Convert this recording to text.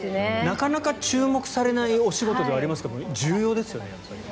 なかなか注目されないお仕事ではありますが重要ですよね。